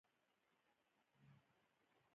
پلاستيکي توکي باید د کاغذ له توکو سره ګډ نه شي.